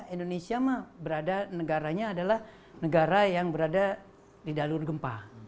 indonesia mah berada negaranya adalah negara yang berada di jalur gempa